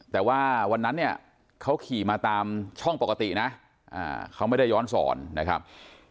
แต่ว่าวันนั้นเนี่ยเขาขี่มาตามช่องปกตินะเขาไม่ได้ย้อนสอนนะครับ